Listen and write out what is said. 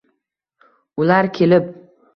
Ular kelib